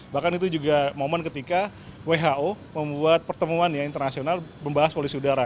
bahkan itu juga momen ketika who membuat pertemuan ya internasional membahas polusi udara